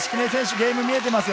ゲームが見えています。